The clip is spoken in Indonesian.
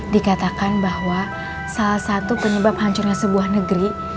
dikatakan bahwa salah satu penyebab hancurnya sebuah negeri